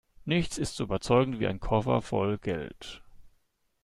Nichts ist so überzeugend wie ein Koffer voll Geld.